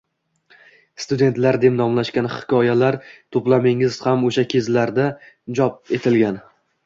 Studentlar deb nomlangan hikoyalar to`plamingiz ham o`sha kezlarda chop etilgan